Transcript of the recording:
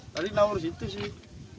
tadi naur situ sih